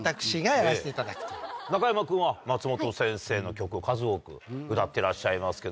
中山君は松本先生の曲を数多く歌ってらっしゃいますけど。